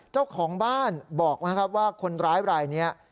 เจ้าของบ้านบอกนะครับว่าคนร้ายรายนี้